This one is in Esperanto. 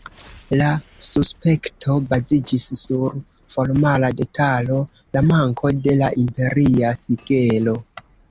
La suspekto baziĝis sur formala detalo: "la manko de la imperia sigelo.